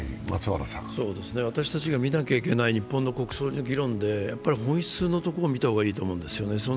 私たちが見なきゃいけない日本の国葬の議論で、本質のところをみた方がいいと思うんですよね。